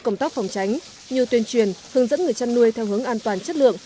công tác phòng tránh như tuyên truyền hướng dẫn người chăn nuôi theo hướng an toàn chất lượng